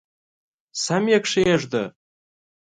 سم یې کښېږده !